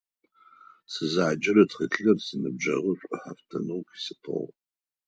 Сызаджэрэ тхылъыр синыбджэгъу шӀухьафтынэу къыситыгъ.